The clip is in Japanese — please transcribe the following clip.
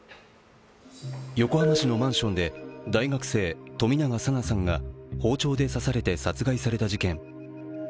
横浜市のマンションで大学生・冨永紗菜さんが包丁で刺されて殺害された事件。